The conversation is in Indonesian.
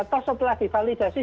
atau setelah divalidasi